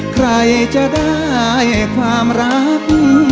ใครจะได้ความรัก